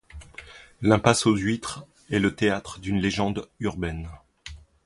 L’impasse aux huîtres est le théâtre d’une légende urbaine.